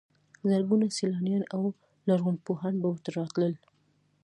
زرګونه سیلانیان او لرغونپوهان به ورته راتلل.